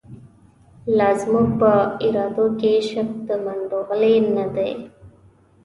لازموږ په ارادوکی، عشق دمنډوغلی نه دی